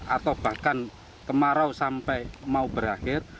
atau bahkan kemarau sampai mau berakhir